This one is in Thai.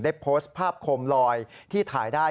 โพสต์ภาพโคมลอยที่ถ่ายได้